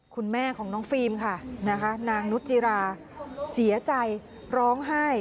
คุณแม่ของน้องฟิล์มค่ะนะคะนางนุจิราเสียใจร้องไห้